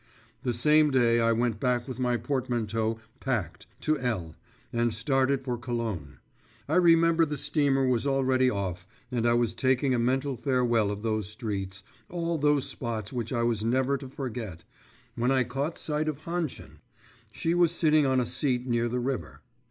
The same day I went back with my portmanteau packed, to L., and started for Cologne. I remember the steamer was already off, and I was taking a mental farewell of those streets, all those spots which I was never to forget when I caught sight of Hannchen. She was sitting on a seat near the river.